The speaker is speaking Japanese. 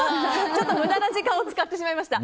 無駄な時間を使ってしまいました。